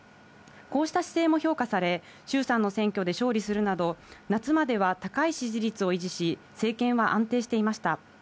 こうした姿勢も評価され、衆参の選挙で勝利するなど、夏までは高い支持率を維持し、政権は安定していました。